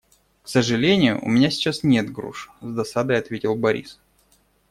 «К сожалению, у меня сейчас нет груш», - с досадой ответил Борис.